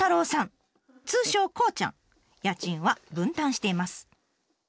通称「こーちゃん」。家賃は分担しています。